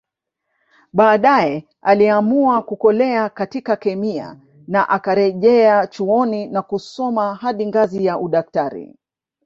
Baadae aliamua kukolea katika kemia na akarejea chuoni na kusoma hadi ngazi ya udaktari